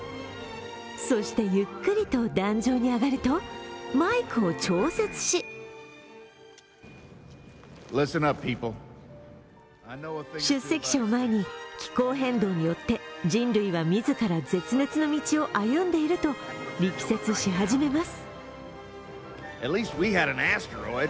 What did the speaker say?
そしてゆっくりと壇上に上がるとマイクを調節し出席者を前に気候変動によって人類は自ら絶滅の道を歩んでいると力説し始めます。